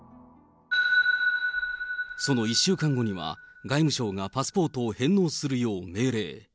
その１週間後には、外務省がパスポートを返納するよう命令。